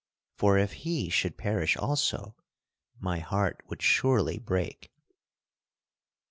For if he should perish also, my heart would surely break."